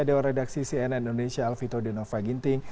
dewan redaksi cnn indonesia alvito denova ginting